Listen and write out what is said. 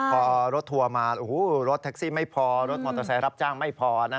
พอรถทัวร์มารถแท็กซี่ไม่พอรถมอเตอร์ไซค์รับจ้างไม่พอ